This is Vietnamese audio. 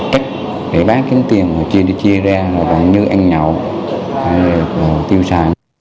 cách để bán kiếm tiền chia ra như ăn nhậu hay tiêu sản